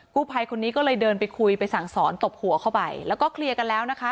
ภัยคนนี้ก็เลยเดินไปคุยไปสั่งสอนตบหัวเข้าไปแล้วก็เคลียร์กันแล้วนะคะ